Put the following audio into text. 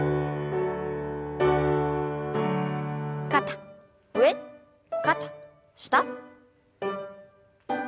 肩上肩下。